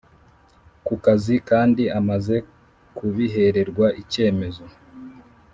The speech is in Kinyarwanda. Ku kazi kandi amaze kubihererwa icyemezo